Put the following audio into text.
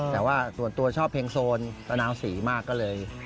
แต่ว่าส่วนตัวชอบเพลงโซนตะนาวสีมากก็เลย